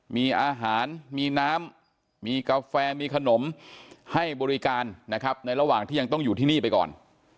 มีอาหารมีน้ำมีกาแฟมีขนมให้บริการนะครับในระหว่างที่ยังต้องอยู่ที่นี่ไปก่อน